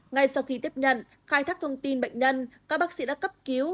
ngay sau khi tiếp nhận khai thác thông tin bệnh nhân các bác sĩ đã cấp cứu